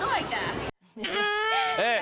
กลัวจิ้นจกเล่นกันกลัวด้วยจ้ะ